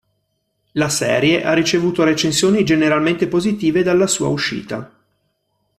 La serie ha ricevuto recensioni generalmente positive dalla sua uscita.